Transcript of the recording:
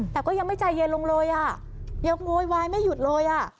แต่ก็ยังไม่ใจเย็นลงเลยอ่ะยังโวยวายไม่หยุดเลยอ่ะ